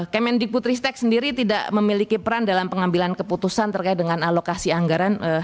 kemendik putri stek sendiri tidak memiliki peran dalam pengambilan keputusan terkait dengan alokasi anggaran